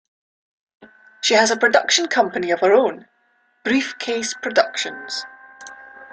She has a production company of her own, Briefcase Productions.